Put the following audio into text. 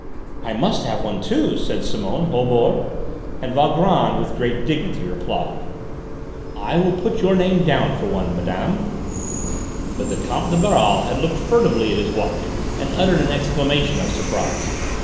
"I must have one too," said Simone Holbord, and Valgrand with great dignity replied: "I will put your name down for one, madame!" But the Comte de Baral had looked furtively at his watch, and uttered an exclamation of surprise.